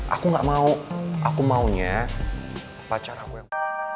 aku gak mau aku maunya pacar aku yang